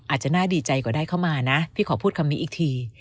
อาจจะน่าดีใจกว่าได้เข้ามานะพี่ขอพูดคำนี้อีกที